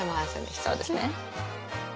はいそうですね。